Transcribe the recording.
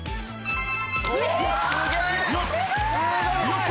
よし。